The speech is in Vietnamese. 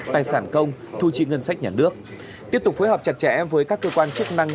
tài sản công thu chi ngân sách nhà nước tiếp tục phối hợp chặt chẽ với các cơ quan chức năng